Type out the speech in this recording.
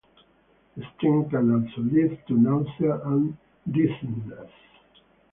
The sting can also lead to nausea and dizziness.